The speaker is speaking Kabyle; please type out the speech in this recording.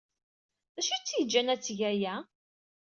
D acu ay tt-yejjan ad teg aya?